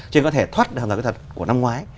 chỉ có thể thoát hàng rào kỹ thuật của năm ngoái